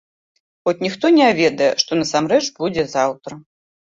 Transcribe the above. Хоць ніхто не ведае, што насамрэч будзе заўтра.